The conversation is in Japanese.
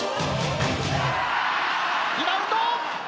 リバウンド！